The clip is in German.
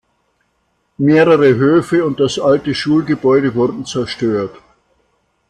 Mehrere Höfe und das alte Schulgebäude wurden zerstört.